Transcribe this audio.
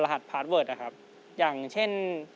เฮ้ยอย่าลืมฟังเพลงผมอาจารย์นะ